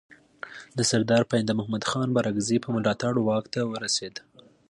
د سردار پاینده محمد خان بارکزي په ملاتړ واک ته ورسېد.